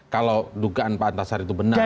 kalau dugaan pak antasari itu benar